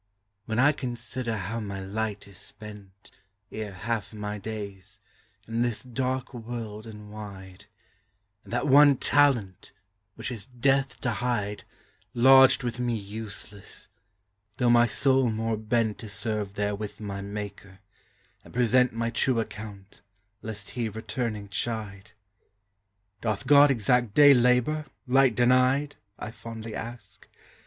When I consider how my light is spent Ere half my days, in this dark world and wide, And that one talent, which is death to hide, Lodged with me useless, though my soul more bent To serve therewith my Maker, and present My true account, lest he returning chide; "Doth God exact day labor, light denied?" I fondly ask.